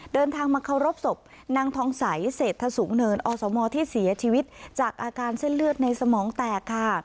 เดินทางมาเคารพศพนางทองใสเศรษฐสูงเนินอสมที่เสียชีวิตจากอาการเส้นเลือดในสมองแตกค่ะ